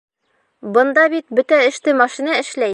— Бында бит бөтә эште машина эшләй.